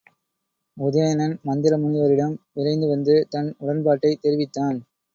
உதயணன் மந்தரமுனிவரிடம் விரைந்துவந்து தன் உடன்பாட்டைத் தெரிவித்தான்.